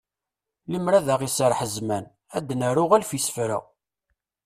Limer ad aɣ-iserreḥ zzman, ad d-naru alef isefra.